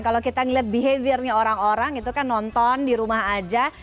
kalau kita ngeliat behaviornya orang orang itu kan nonton di rumah aja